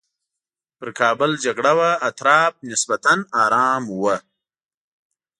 پر کابل جګړه وه اطراف نسبتاً ارام وو.